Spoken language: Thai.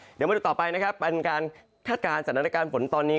เดี๋ยวมาดูต่อไปนะครับเป็นการคาดการณ์สถานการณ์ฝนตอนนี้